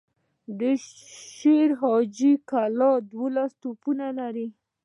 د شير حاجي کلا دولس توپونه لري.